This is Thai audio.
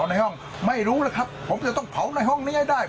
ในห้องไม่รู้แล้วครับผมจะต้องเผาในห้องนี้ให้ได้